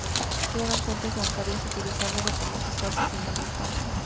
Crearon cuentas bancarias utilizando documentos falsos y nombres falsos.